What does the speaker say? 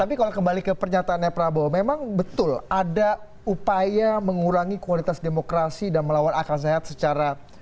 tapi kalau kembali ke pernyataannya prabowo memang betul ada upaya mengurangi kualitas demokrasi dan melawan akal sehat secara